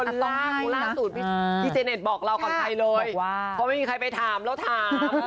ล่าล่าสูตรอ่าพี่เจนเน็ตบอกเราก่อนไปเลยบอกว่าเพราะไม่มีใครไปถามแล้วถาม